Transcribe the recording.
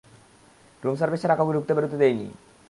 Room service ছাড়া কাউকে ঢুকতে বেরুতে দেইনি।